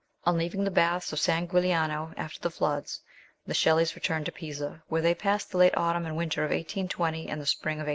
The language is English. On leaving the baths of San Giuliano, after the floods, the Shelleys returned to Pisa, where they passed the late autumn and winter of 1820 and the spring of 1821.